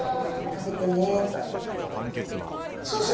食べてねと。